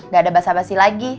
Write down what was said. gak ada basah basi lagi